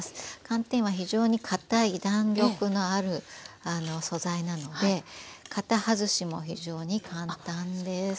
寒天は非常にかたい弾力のある素材なので型外しも非常に簡単です。